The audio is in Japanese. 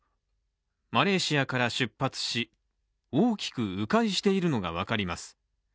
マレーシアから出発し大きくう回しているのが分かります。